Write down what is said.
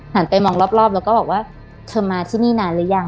ไปมองรอบแล้วก็บอกว่าเธอมาที่นี่นานหรือยัง